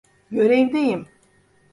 Görevdeyim.